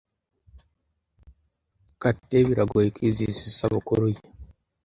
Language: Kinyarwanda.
Kate biragoye kwizihiza isabukuru ye.